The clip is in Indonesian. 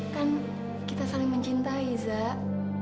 kan kita saling mencintai zak